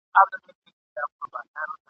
هغه مین دی پر لمبو شمع په خوب کي ویني ..